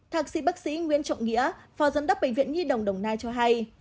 thạc sĩ bác sĩ nguyễn trọng nghĩa phò dẫn đắp bệnh viện nhi đồng đồng nai cho hay